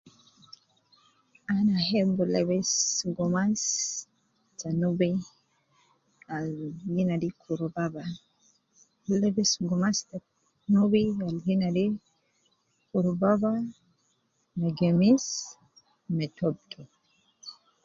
Ana hebu lebis gumas te nubi al gi nadi kurubaba, ana gi lebis gumas te nubi al gi nadi kurubaba me gemis me toub.